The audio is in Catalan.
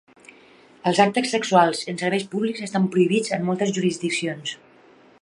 Els actes sexuals en serveis públics estan prohibits en moltes jurisdiccions.